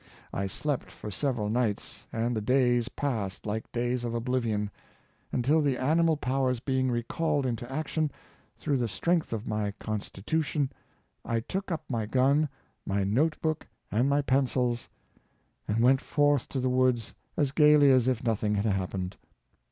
I slept for several nights, and the days passed like days of oblivion — until the animal powers being recalled into action, through the strength of my constitution, I took up my gun, my note book and my pencils, and went Ne wion—Carlyh. 229 forth to the woods as gayly as if nothing had happened.